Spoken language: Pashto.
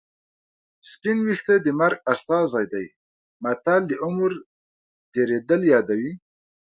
سپین ویښته د مرګ استازی دی متل د عمر تېرېدل یادوي